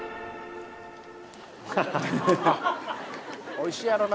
おいしいやろな。